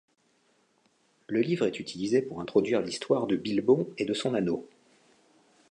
Le livre est utilisé pour introduire l'histoire de Bilbon et de son anneau.